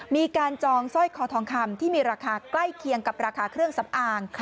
จองสร้อยคอทองคำที่มีราคาใกล้เคียงกับราคาเครื่องสำอาง